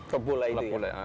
klub bola itu ya